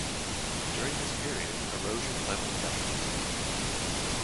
During this period, erosion leveled mountains.